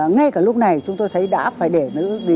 ngay cả lúc này chúng tôi thấy đã phải để nữ